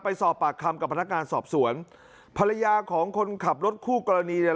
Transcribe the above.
ไปสอบปากคำกับพนักงานสอบสวนภรรยาของคนขับรถคู่กรณีเนี่ย